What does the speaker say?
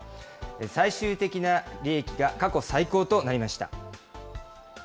最終的な利益が過去最高となりました。